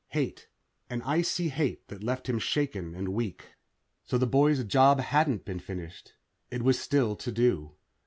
Hate. An icy hate that left him shaken and weak. So the boy's job hadn't been finished. It was still to do.